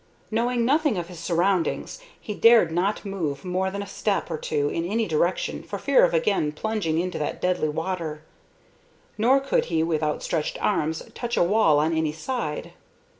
Knowing nothing of his surroundings he dared not move more than a step or two in any direction for fear of again plunging into that deadly water. Nor could he with outstretched arms touch a wall on any side.